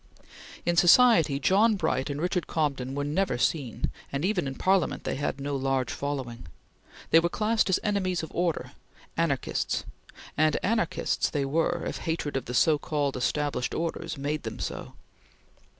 In society John Bright and Richard Cobden were never seen, and even in Parliament they had no large following. They were classed as enemies of order, anarchists, and anarchists they were if hatred of the so called established orders made them so.